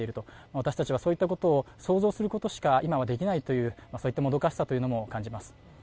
私たちはそういったことを想像することしか今はできない、そういったもどかしさも感じます。